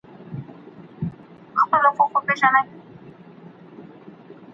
آیا د خپلو زده کړو پایلي ارزول بریا تضمینوي؟